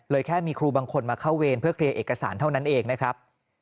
แค่มีครูบางคนมาเข้าเวรเพื่อเคลียร์เอกสารเท่านั้นเองนะครับ